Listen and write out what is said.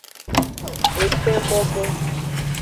Ekpen bobo.